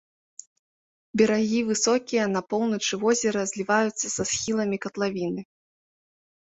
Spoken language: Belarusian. Берагі высокія, на поўначы возера зліваюцца са схіламі катлавіны.